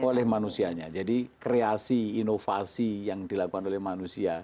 oleh manusianya jadi kreasi inovasi yang dilakukan oleh manusia